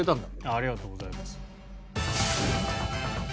ありがとうございます。